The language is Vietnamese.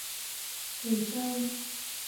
Thời trang